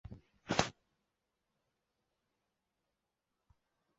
所以它会被用作吸收二氧化碳之用。